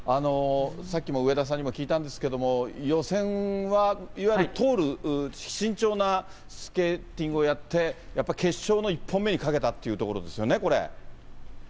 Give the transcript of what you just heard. さっきも上田さんにも聞いたんですけど、予選はいわゆる通る慎重なスケーティングをやって、やっぱ決勝の１本目にかけたっていうところですよね、これ。